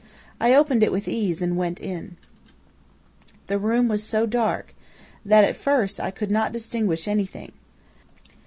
"I opened it with ease and went in. "The room was so dark that at first I could not distinguish anything.